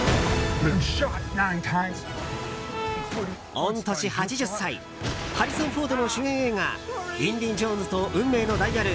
御年８０歳ハリソン・フォードの主演の映画「インディ・ジョーンズと運命のダイヤル」。